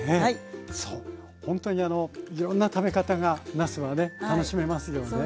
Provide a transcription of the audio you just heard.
そうほんとにあのいろんな食べ方がなすはね楽しめますよね。